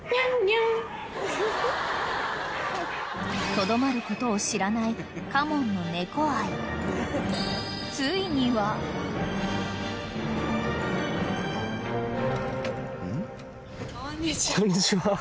［とどまることを知らない嘉門の猫愛］こんにちは。